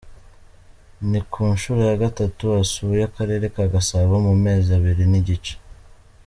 Ni ku nshuro ya gatatu asuye Akarere ka Gasabo mu mezi abiri n’igice.